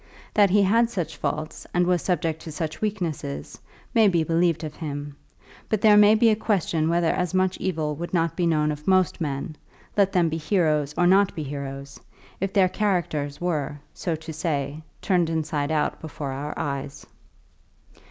That he had such faults and was subject to such weaknesses may be believed of him; but there may be a question whether as much evil would not be known of most men, let them be heroes or not be heroes, if their characters were, so to say, turned inside out before our eyes.